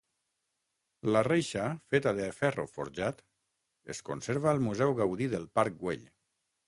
La reixa, feta de ferro forjat, es conserva al Museu Gaudí del Parc Güell.